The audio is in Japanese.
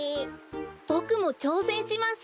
ボクもちょうせんします！